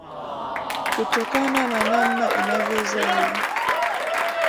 kutokana na namna inavyozali